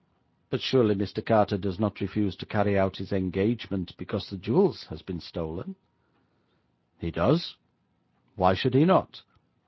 'But surely Mr. Carter does not refuse to carry out his engagement because the jewels have been stolen?' 'He does. Why should he not?'